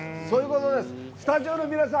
スタジオの皆さん